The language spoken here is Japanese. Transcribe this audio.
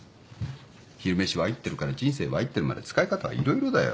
昼飯Ｙってるから人生Ｙってるまで使い方は色々だよ。